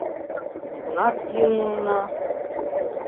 Кунаре йӱын улына...